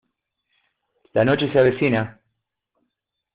la noche se avecina.